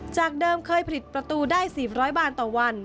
จากเดิมเคยผลิตประตูได้๔๐๐บาทต่อวัน